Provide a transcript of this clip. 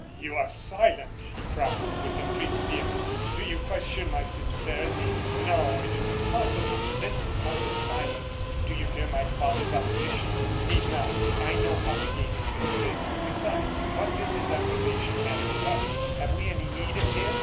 "You are silent," he cried, with increased vehemence. "Do you question my sincerity? No, it is impossible! Then why this silence? Do you fear my father's opposition? You need not. I know how to gain his consent. Besides, what does his approbation matter to us? Have we any need of him?